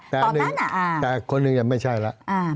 ตอนนั้นแต่คนหนึ่งยังไม่ใช่แล้ว